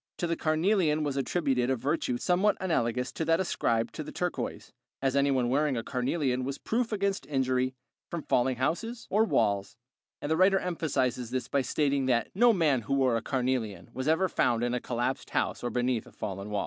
To the carnelian was attributed a virtue somewhat analogous to that ascribed to the turquoise, as anyone wearing a carnelian was proof against injury from falling houses or walls; the writer emphasizes this by stating that "no man who wore a carnelian was ever found in a collapsed house or beneath a fallen wall."